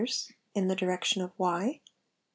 in the direction of x =......